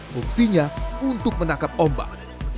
fungsinya untuk menangkap ombak